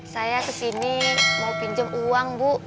saya ke sini mau pinjem uang bu